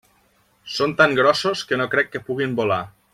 Són tan grossos que no crec que puguin volar.